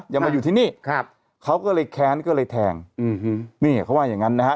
ยังมาอยู่ที่นี่ครับเขาก็เลยแค้นก็เลยแทงอืมนี่เขาว่าอย่างงั้นนะฮะ